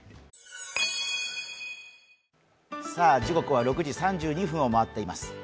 時刻は６時３２分を回っています。